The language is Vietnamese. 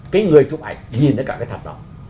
cái người chụp ảnh nhìn thấy cả cái thật đó